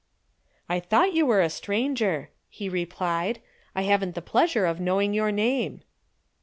_" "I thought you were a stranger," he replied. "I haven't the pleasure of knowing your name."